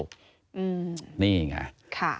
โอเคนี่ไง